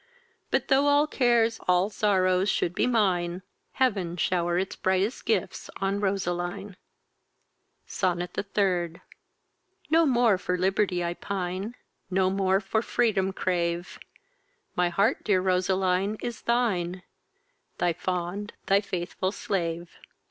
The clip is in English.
But, though all cares, all sorrows should be mine, Heaven shower its brightest gifts on Roseline! SONNET THE THIRD No more for liberty I pine, No more for freedom crave; My heart, dear Roseline, is thine, Thy fond, thy faithful slave.